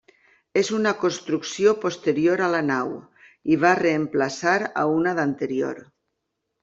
És una construcció posterior a la nau, i va reemplaçar a una d'anterior.